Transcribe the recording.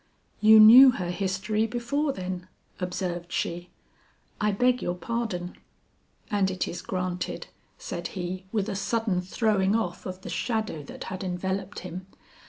"You knew her history before, then," observed she, "I beg your pardon." "And it is granted," said he with a sudden throwing off of the shadow that had enveloped him.